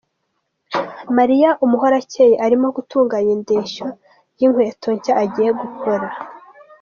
Marie Umuhorakeye arimo gutunganya indeshyo y'inkweto nshya agiye gukora.